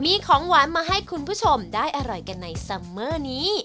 มีของหวานมาให้คุณผู้ชมได้อร่อยกันในซัมเมอร์นี้